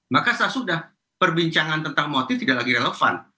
maka sesudah perbincangan tentang motif tidak lagi relevan